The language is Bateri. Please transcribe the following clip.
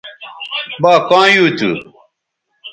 با کاں یُو تھو